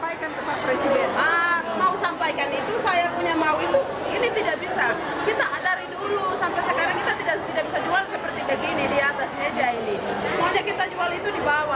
ini tidak bisa kita dari dulu sampai sekarang kita tidak bisa jual seperti begini di atas meja ini